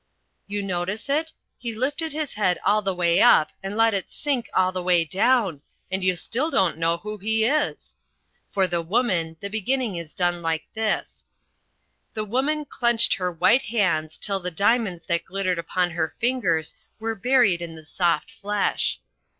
You notice it? He lifted his head all the way up and let it sink all the way down, and you still don't know who he is. For The Woman the beginning is done like this: "The Woman clenched her white hands till the diamonds that glittered upon her fingers were buried in the soft flesh.